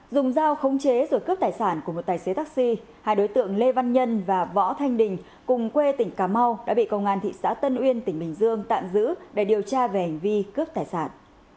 dùng dao khống chế rồi cướp tài sản của một tài xế taxi hai đối tượng lê văn nhân và võ thanh đình cùng quê tỉnh cà mau đã bị công an thị xã tân uyên tỉnh bình dương tạm giữ để điều tra về hành vi cướp tài sản